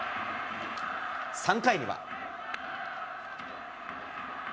３回には。